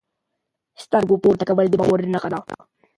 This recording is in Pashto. سترګو پورته کول د باور نښه ده.